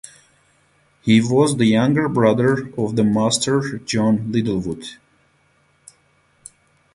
He was the younger brother of the master John Littlewood.